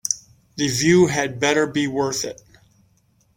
The view had better be worth it.